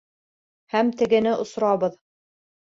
Һәм тегене осорабыҙ.